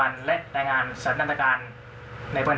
โอเตลเซลเลสลิม่าชาลียูนิฟอร์ม